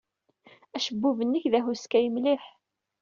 Acebbub-nnek d ahuskay mliḥ.